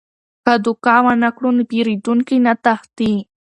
که دوکه ونه کړو نو پیرودونکي نه تښتي.